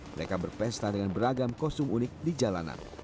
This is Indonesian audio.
mereka berpesta dengan beragam kostum unik di jalanan